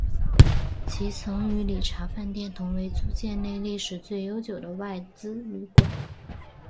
其曾与礼查饭店同为租界内历史最悠久的外资旅馆。